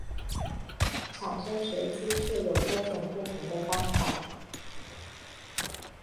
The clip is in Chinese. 产生随机数有多种不同的方法。